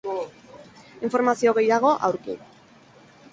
Informazio gehiago, aurki.